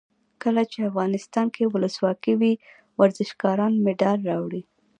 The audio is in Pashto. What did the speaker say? کله چې افغانستان کې ولسواکي وي ورزشکاران مډال راوړي.